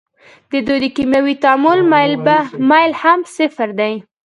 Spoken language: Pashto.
د دوی د کیمیاوي تعامل میل هم صفر دی.